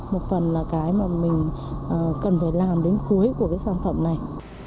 một tuần là cái mà mình cần phải làm đến cuối của cái sản phẩm này